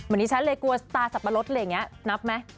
วันนี้ฉันเลยกลัวตาสับปะรดนับไหม